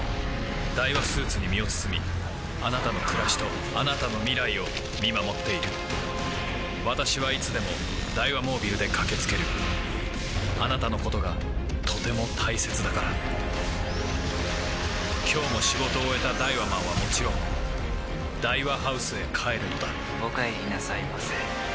ダイワスーツに身を包みあなたの暮らしとあなたの未来を見守っている私はいつでもダイワモービルで駆け付けるあなたのことがとても大切だから今日も仕事を終えたダイワマンはもちろんダイワハウスへ帰るのだお帰りなさいませ。